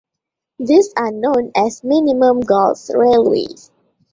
These are known as minimum gauge railways.